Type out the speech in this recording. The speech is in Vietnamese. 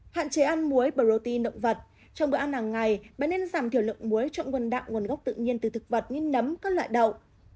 hạn chế ăn muối và protein động vật trong bữa ăn hàng ngày bạn nên giảm thiểu lượng muối trong nguồn đạo nguồn gốc tự nhiên từ thực vật như nấm các loại đậu